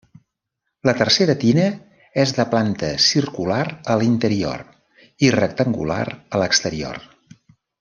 La tercera tina és de planta circular a l'interior i rectangular a l'exterior.